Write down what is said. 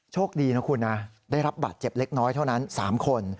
โชคดีนะคุณนะได้รับบาดเจ็บเล็กน้อยเท่านั้น๓คน